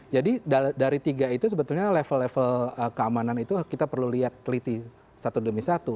jadi dari tiga itu sebetulnya level level keamanan itu kita perlu lihat teliti satu demi satu